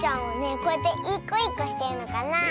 こうやっていいこいいこしてるのかなあ。